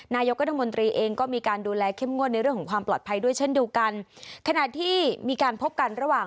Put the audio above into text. นายกรัฐมนตรีเองก็มีการดูแลเข้มงวดในเรื่องของความปลอดภัยด้วยเช่นเดียวกันขณะที่มีการพบกันระหว่าง